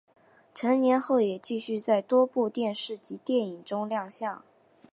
成年后也继续在多部电视及电影中亮相。